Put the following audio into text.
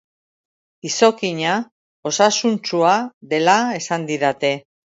Izokina osasuntsua dela esan didate.